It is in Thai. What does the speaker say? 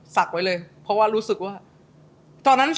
ศักดิ์ไว้เลยเพราะว่ารู้สึกว่า